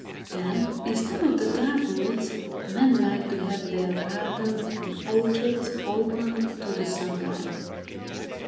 Then, instead of the dark woods, men liked to have their gardens and orchards open to the sunlight.